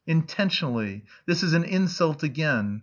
intentionally.... This is an insult again....